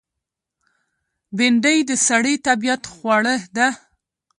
بېنډۍ د سړي طبیعت خوړه ده